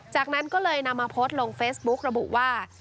จากนั้นก็เลยนำมาโพสต์ลงเฟซบุ๊กระบุว่า